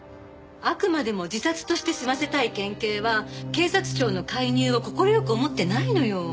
あくまでも自殺として済ませたい県警は警察庁の介入を快く思ってないのよ。